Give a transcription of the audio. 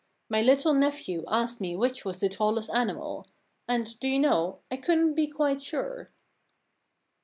My little nephew asked me which was the tallest animal. And, do you know, I couldn't be quite sure."